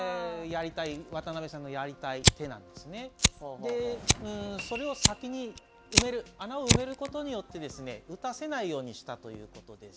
でそれを先に埋める穴を埋めることによってですね打たせないようにしたということです。